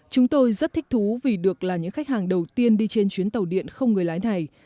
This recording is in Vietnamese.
chúng tôi rất thích thú vì được là những khách hàng đầu tiên đi trên chuyến tàu điện không người lái này